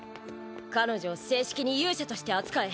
彼女を正式に勇者として扱え。